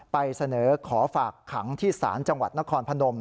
ไปเสนอขอฝากขังที่ศาลจังหวัดนครพนม